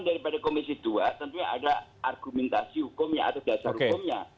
jadi keberatan dari komisi ii tentunya ada argumentasi hukumnya atau dasar hukumnya